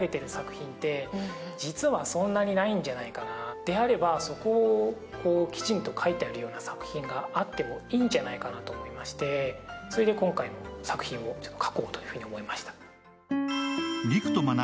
であるならば、そこをきちんと書いてある作品があってもいいんじゃないかと思いまして、それで今回の作品を書こうというふうに思いました。